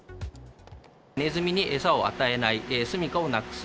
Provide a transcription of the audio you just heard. ネズミに餌を与えない、住みかをなくす。